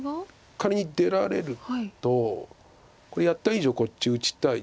仮に出られるとこれやった以上こっち打ちたいですよね。